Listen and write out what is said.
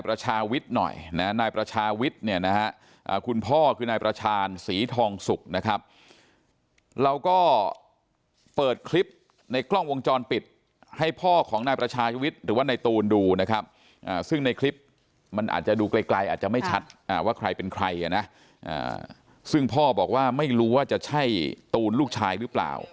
เพราะว่ามีก็ได้เพราะว่ายังทำหนาอยู่